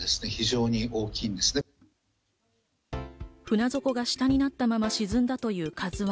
船底が下になったまま沈んだという「ＫＡＺＵ１」。